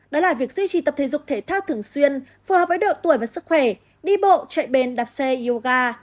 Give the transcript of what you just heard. đó là việc duy trì tập thể dục thể thao thường xuyên phù hợp với độ tuổi và sức khỏe đi bộ chạy bền đạp xe yoga